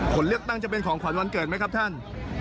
ผลเลือกตั้งจะเป็นของขวัญวันเกิดไหมครับท่าน